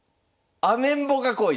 アメンボ！